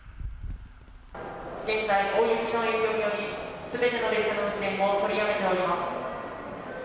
現在大雪の影響により、すべての列車の運転を取りやめております。